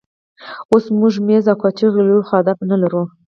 اوس موږ مېز او کاچوغې لرو خو آداب نه لرو.